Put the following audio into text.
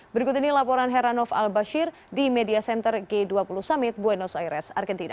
berikut ini laporan heranov al bashir di media center g dua puluh summit buenos aires argentina